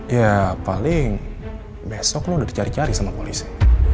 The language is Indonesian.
ya paling besok lu udah dicari cari sama polisi